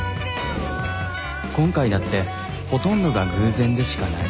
今回だってほとんどが偶然でしかない。